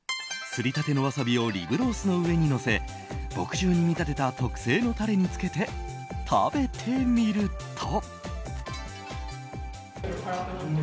すり立てのワサビをリブロースの上にのせ墨汁に見立てた特製のタレにつけて食べてみると。